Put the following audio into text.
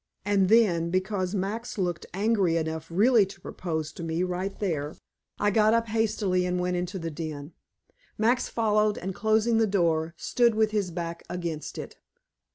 And then, because Max looked angry enough really to propose to me right there, I got up hastily and went into the den. Max followed, and closing the door, stood with his back against it.